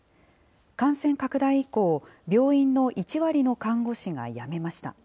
感染拡大以降、病院の１割の看護師が辞めました。